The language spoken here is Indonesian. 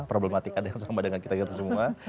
problematik ada yang sama dengan kita semua